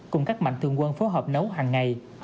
cùng các mạnh thường quân phối hợp nấu hằng ngày